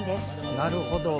なるほど。